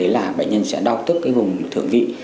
là bệnh nhân sẽ đau tức vùng thưởng vị